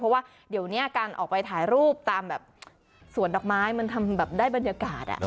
เพราะว่าเดี๋ยวนี้การออกไปถ่ายรูปตามแบบสวนดอกไม้มันทำแบบได้บรรยากาศ